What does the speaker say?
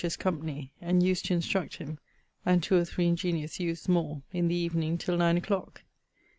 's company, and used to instruct him, and two or three ingeniose youths more, in the evening till nine a clock.